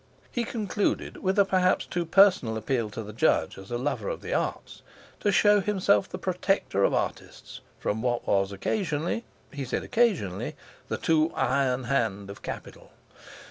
He concluded with a perhaps too personal appeal to the Judge, as a lover of the arts, to show himself the protector of artists, from what was occasionally—he said occasionally—the too iron hand of capital.